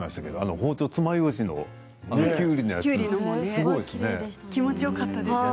包丁、つまようじのきゅうりのやつ、すごいですね。